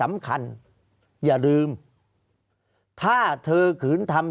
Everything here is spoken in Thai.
ภารกิจสรรค์ภารกิจสรรค์